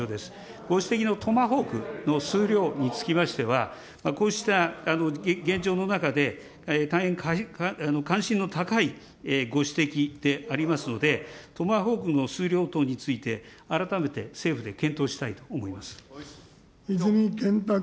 ご指摘のトマホークの数量につきましては、こうした現状の中で、大変関心の高いご指摘でありますので、トマホークの数量等について、改めて政府で検討したいと思泉健太君。